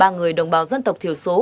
ba người đồng bào dân tộc thiểu số